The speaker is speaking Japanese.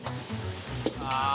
ああ。